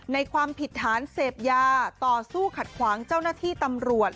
ความผิดฐานเสพยาต่อสู้ขัดขวางเจ้าหน้าที่ตำรวจ